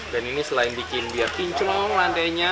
dan ini selain bikin biar pincong lantainya